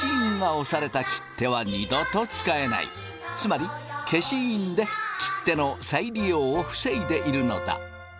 つまり消印で切手の再利用を防いでいるのだ。